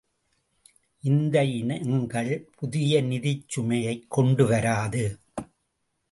இந்த இனங்கள் புதிய நிதிச் சுமையைக் கொண்டுவராது.